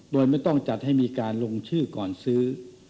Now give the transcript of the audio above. โดยไม่ต้องจัดให้มีการลงชื่อก่อนซื้อ